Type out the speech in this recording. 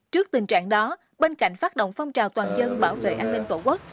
trước tình trạng đó bên cạnh phát động phong trào toàn dân bảo vệ an ninh tổ quốc